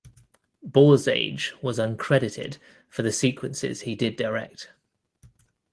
Borzage was uncredited for the sequences he did direct.